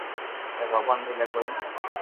ڪي ڀگوان ملي ڪوئي ھي